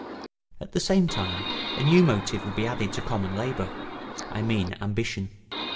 At the same time a new motive would be added to common labour, I mean ambition.